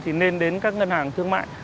thì nên đến các ngân hàng thương mại